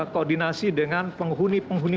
koordinasi dengan penghuni penghuni